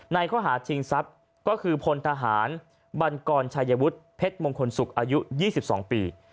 ในข้อหาชิงทรัพย์ก็คือพลทหารบันกรชายวุฒิเพชรมงคลศุกร์อายุ๒๒ปี